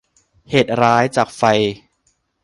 เหตุร้ายจากไฟ